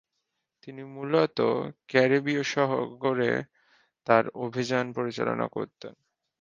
তিনি মূলত ক্যারিবীয় সাগরে তার অভিযান পরিচালনা করতেন।